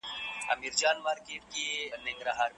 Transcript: ایا د سهار په ورزش کي د یو منظم پروګرام لرل ګټور دي؟